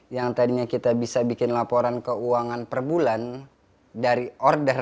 yang tadinya kita bisa bikin laporan keuangan per bulan dari order